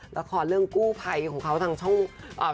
ราคอเรื่องกู้ภัยของเขาทางช่องวิกอศก